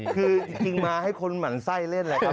คือจริงมาให้คนหมั่นไส้เล่นแหละครับ